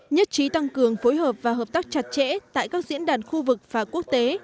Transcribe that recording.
nhất trí tăng cường phối hợp và hợp tác chặt chẽ tại các diễn đàn khu vực và quốc tế